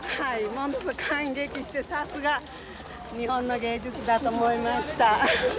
ものすごく感激してさすが日本の芸術だと思いました。